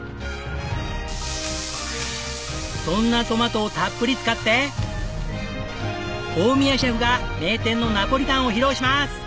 そんなトマトをたっぷり使って大宮シェフが名店のナポリタンを披露します！